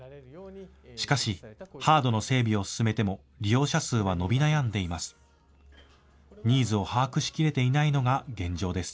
しかしハードの整備を進めても利用者数は伸び悩んでいます。